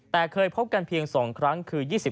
แต่เคยพบกันเพียง๒ครั้งคือ๒๕